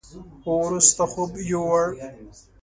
وروسته خوب يوووړ.